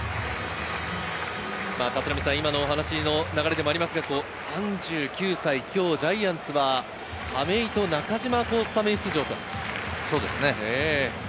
今のお話の流れでもありますが３９歳、今日ジャイアンツは、亀井と中島をスタメン出場。